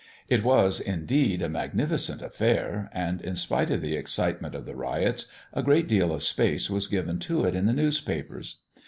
It was, indeed, a magnificent affair, and, in spite of the excitement of the riots, a great deal of space was given to it in the newspapers.